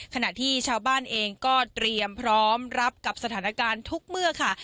ขณะที่ชาวบ้านเองก็เตรียมพร้อมรับกับสถานการณ์ทุกเมื่อค่ะ